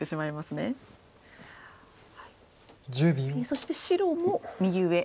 そして白も右上。